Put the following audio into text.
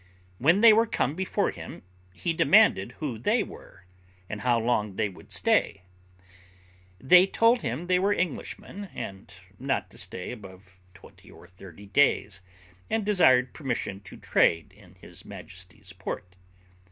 When they were come before him, he demanded who they were, and how long they should stay. They told him they were Englishmen, and not to stay above twenty or thirty days, and desired permission to trade in his Majesty's port.